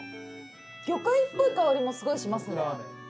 魚介っぽい香りもすごいしますね。